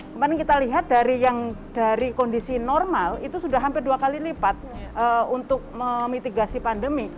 kemarin kita lihat dari yang dari kondisi normal itu sudah hampir dua kali lipat untuk memitigasi pandemi